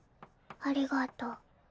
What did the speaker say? ありがとう。